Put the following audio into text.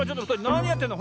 なにやってんの？